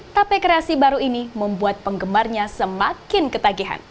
tape kreasi baru ini membuat penggemarnya semakin ketagihan